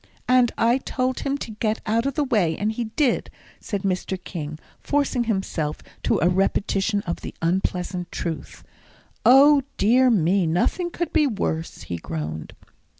"And I told him to get out of the way and he did," said Mr. King, forcing himself to a repetition of the unpleasant truth. "O dear me, nothing could be worse," he groaned.